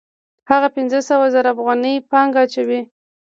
هغه پنځه سوه زره افغانۍ پانګه اچوي